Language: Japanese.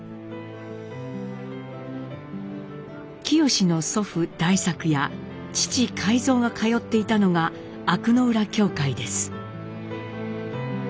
清の祖父代作や父海蔵が通っていたのが飽の浦教会です。